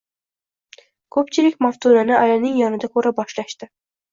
Ko`pchilik Maftunani Alining yonida ko`ra boshlashdi